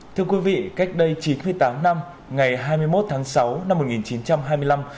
thưa quý vị cách đây chín mươi tám năm ngày hai mươi một tháng sáu năm một nghìn chín trăm hai mươi năm